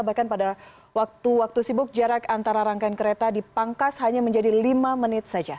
bahkan pada waktu waktu sibuk jarak antara rangkaian kereta dipangkas hanya menjadi lima menit saja